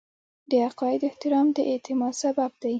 د عقایدو احترام د اعتماد سبب دی.